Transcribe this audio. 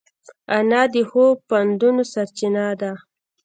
انا د ښو پندونو سرچینه ده